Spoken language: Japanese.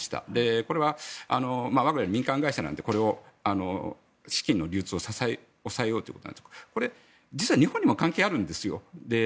これはワグネル、民間会社なのでこれを資金の流通を抑えようということなんですがこれ、実は日本にも関係あるんですよ。